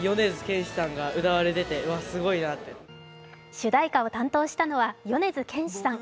主題歌を担当したのは米津玄師さん。